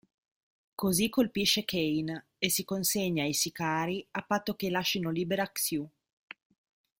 Così colpisce Kane e si consegna ai sicari a patto che lascino libera Xiu.